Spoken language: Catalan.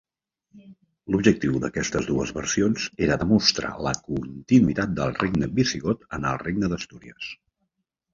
L'objectiu d'aquestes dues versions era demostrar la continuïtat del regne visigot en el regne d'Astúries.